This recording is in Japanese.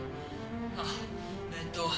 あっえっと